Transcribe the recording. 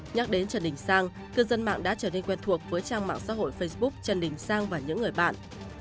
nhắc đến trần đình sang cư dân mạng đã trở nên quen thuộc với trang mạng xã hội facebook trần đình sang và những người bạn